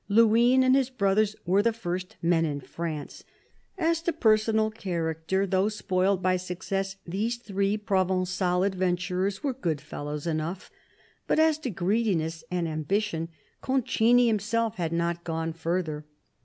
Luynes and his brothers were the first men in France. As to personal character, though spoilt by success, these three Provengal adventurers were good fellows enough ; but as to greediness and ambition, Concini himself had not gone further.